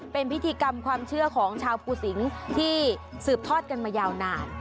เป็นพิธีกรรมความเชื่อของชาวภูสิงศ์ที่สืบทอดกันมายาวนาน